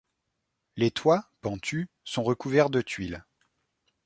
Les toits, pentus, sont recouverts de tuiles.